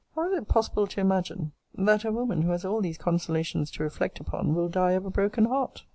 How is it possible to imagine, that a woman, who has all these consolations to reflect upon, will die of a broken heart?